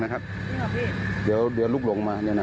นะครับนี่หรอพี่เดี๋ยวเดี๋ยวลุกลงมาเนี่ยน่ะ